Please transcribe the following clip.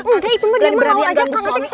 engga itu mah dia mau nangol aja kang acing